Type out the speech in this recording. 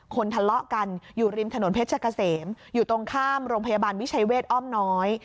ทะเลาะกันอยู่ริมถนนเพชรเกษมอยู่ตรงข้ามโรงพยาบาลวิชัยเวทอ้อมน้อย